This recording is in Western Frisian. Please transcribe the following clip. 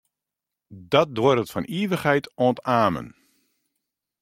Dat duorret fan ivichheid oant amen.